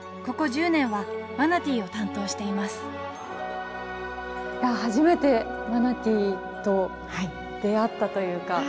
ここ１０年はマナティーを担当しています初めてマナティーと出会ったというか。